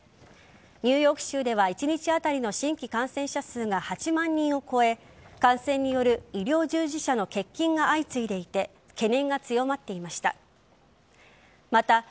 ニューヨーク州では１日当たりの新規感染者数が８万人を超え感染による医療従事者の欠勤が相次いでいて懸念が強まっていました。